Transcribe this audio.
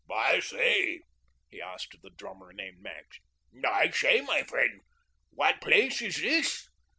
"I say," he asked of the drummer named Max, "I say, my friend, what place is this?"